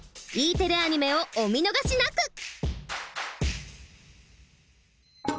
Ｅテレアニメをお見逃しなく！